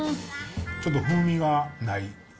ちょっと風味がない。